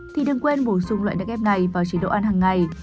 thì đừng quên bổ sung loại nước ép này vào chế độ ăn hằng ngày